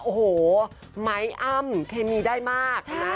โอ้โหไม้อ้ำเคมีได้มาก